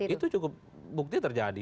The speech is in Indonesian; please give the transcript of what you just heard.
itu cukup bukti terjadi